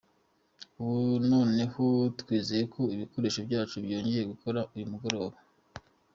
Ubu noneho twizeye ko ibikoresho byacu byongera gukora uyu mugoroba.